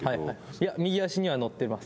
いや、右足には乗ってます。